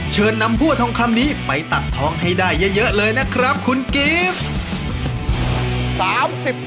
เชิญนำพวกทองคำนี้ไปตักทองให้ได้เยอะเลยนะครับคุณกิฟต์